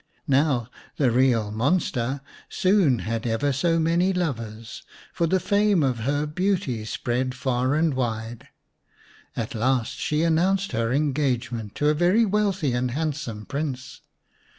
Now the real monster soon had ever so many lovers, for the fame of her beauty spread far and wide. At last she announced her engagement to a very wealthy and handsome Prince.